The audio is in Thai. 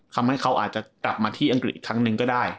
ทำให้เขาอาจจะกลับมาที่อังกฤษอีกครั้งหนึ่งก็ได้